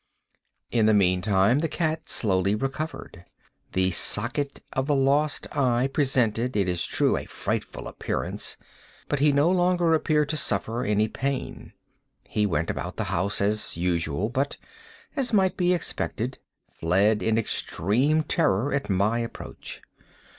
In the meantime the cat slowly recovered. The socket of the lost eye presented, it is true, a frightful appearance, but he no longer appeared to suffer any pain. He went about the house as usual, but, as might be expected, fled in extreme terror at my approach.